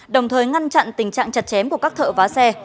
đồng thời ngăn chặn tình trạng chặt chém của các thợ vá xe